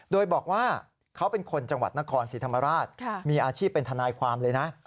โดยบอกว่าเขาเป็นคนจังหวัดนครศรีธรรมราชมีอาชีพเป็นทนายความเลยนะ